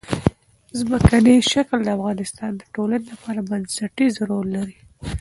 ځمکنی شکل د افغانستان د ټولنې لپاره بنسټيز رول لري.